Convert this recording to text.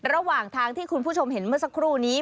ระหว่างทางที่คุณผู้ชมเห็นเมื่อสักครู่นี้